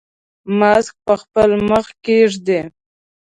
ماسک په خپل مخ کېږدئ.